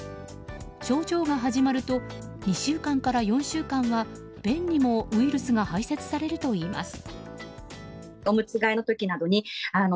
症状が始まると２週間から４週間は便にもウイルスが排泄されるといいます。